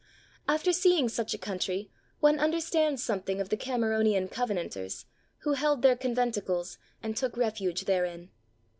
After seeing such a country one understands something of the Cameronian Covenanters who held their conventicles and took refuge therein.